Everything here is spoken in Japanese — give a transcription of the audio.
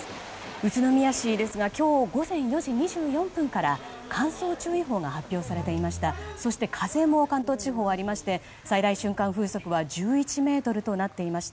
宇都宮市ですが今日午前２時４５分から乾燥注意報が発表されていました。